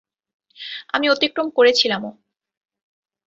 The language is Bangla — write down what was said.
আমি অতিক্রম করেছিলামও।